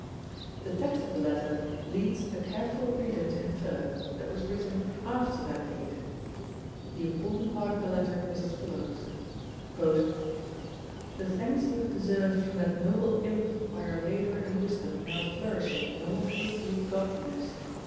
The text of the letter leads a careful reader to infer that it was written after that date. The important part of the letter is as follows: "... the thanks you have deserved from that noble imp by your labour and wisdom now flourishing in all goodly godliness....